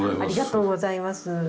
ありがとうございます。